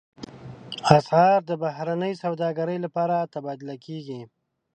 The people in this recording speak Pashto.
اسعار د بهرنۍ سوداګرۍ لپاره تبادله کېږي.